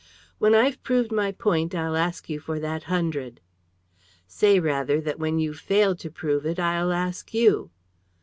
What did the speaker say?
"When I've proved my point I'll ask you for that hundred." "Say, rather, that when you've failed to prove it, I'll ask you."